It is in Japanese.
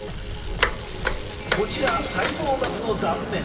こちら細胞膜の断面。